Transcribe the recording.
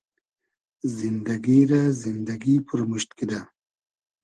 زیندئگی رۂ زیندئگی پورمورشت کیدۂ